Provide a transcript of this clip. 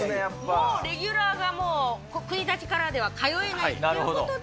もうレギュラーがもう、国立からでは通えないということで。